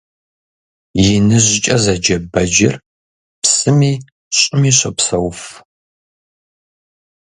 «ИныжькIэ» зэджэ бэджыр псыми щIыми щопсэуф.